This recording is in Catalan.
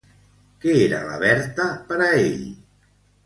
Què era la Berta per a ell?